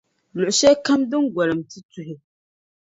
luɣu shɛlikam din golim ti tuhi.